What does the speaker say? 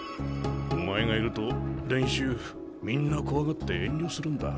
お前がいると練習みんな怖がって遠慮するんだ。